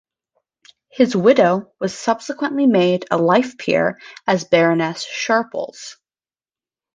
His widow was subsequently made a life peer as Baroness Sharples.